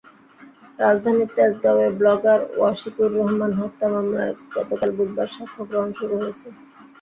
রাজধানীর তেজগাঁওয়ে ব্লগার ওয়াশিকুর রহমান হত্যা মামলায় গতকাল বুধবার সাক্ষ্য গ্রহণ শুরু হয়েছে।